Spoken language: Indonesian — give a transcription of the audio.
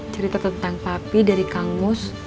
cerita tentang papi dari kang mus